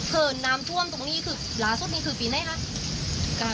น้ำท่วมตรงนี้คือล่าสุดนี้คือปีไหนคะ